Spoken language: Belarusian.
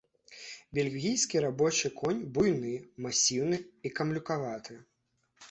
Бельгійскі рабочы конь буйны, масіўны і камлюкаваты.